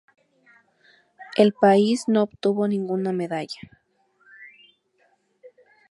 El país no obtuvo ninguna medalla.